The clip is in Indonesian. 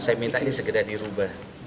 saya minta ini segera dirubah